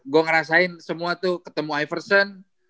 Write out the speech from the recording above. gue ngerasain semua tuh ketemu iverson